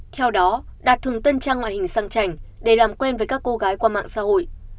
theo đó đạt thường tên trang ngoại hình sang trành để làm quen với các cô gái qua mạng xã hội